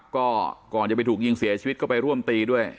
ก็ก่อนจะไปถูกยิงเสียชีวิตก็ไปร่วมตีด้วย